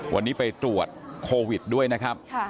วันนี้ไปตรวจโควิดด้วยนะครับ